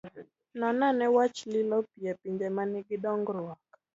Non ane wach lilo pi e pinje ma nigi dongruok.